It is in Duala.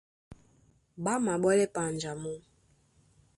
Ɓá máɓɔ́lɛ panja mɔ́.